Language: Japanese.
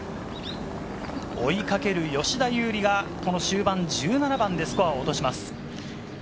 追いかける吉田優利が、この終盤、１７番でスコアを落とします。